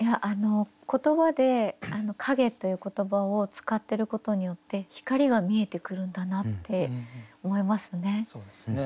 言葉で「影」という言葉を使ってることによって光が見えてくるんだなって思いますね。